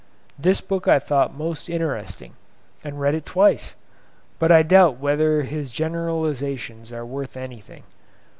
This book I thought most interesting, and read it twice, but I doubt whether his generalisations are worth anything.